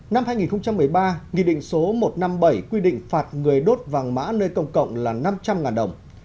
năm hai nghìn một mươi ba nghị định số một trăm năm mươi bảy quy định phạt người đốt vàng mã nơi công cộng là năm trăm linh đồng